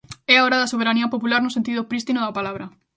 É a hora da soberanía popular no sentido prístino da palabra.